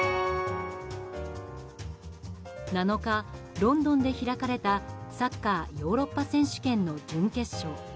７日、ロンドンで開かれたサッカー・ヨーロッパ選手権の準決勝。